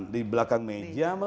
di belakang meja